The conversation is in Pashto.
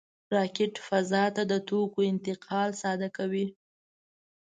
راکټ فضا ته د توکو انتقال ساده کوي